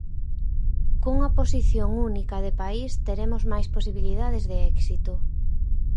Cunha posición única de país teremos máis posibilidades de éxito.